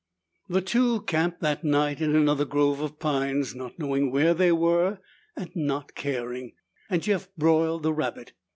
The two camped that night in another grove of pines, not knowing where they were and not caring, and Jeff broiled the rabbit.